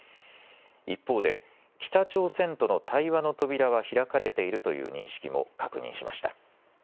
一方で北朝鮮との対話の扉は開かれているという認識も確認しました。